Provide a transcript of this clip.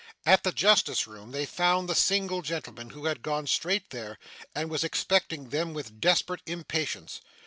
At the justice room, they found the single gentleman, who had gone straight there, and was expecting them with desperate impatience.